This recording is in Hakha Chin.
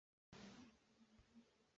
Ṭhen lo kutsih i tlai sih.